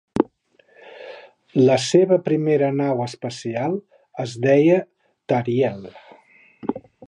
La seva primera nau espacial es deia "Tariel".